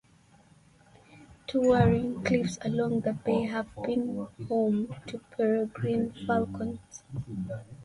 Towering cliffs along the bay have been home to peregrine falcons.